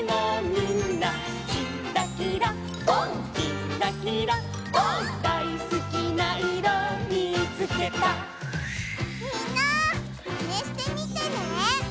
みんなマネしてみてね！